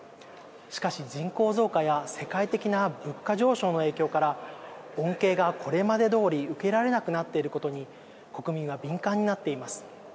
しかし、人口増加や世界的な物価上昇の影響から恩恵が、これまでどおり受けられなくなっていることに国民が敏感になっています。